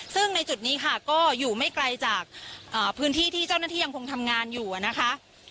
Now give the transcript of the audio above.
ซึ่งในจุดนี้ค่ะก็อยู่ไม่ไกลจากพื้นที่ที่เจ้าหน้าที่ยังคงทำงานอยู่นะคะ